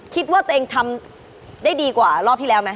คิดว่าตัวเองทำได้ดีกว่ารอบที่แล้วไหม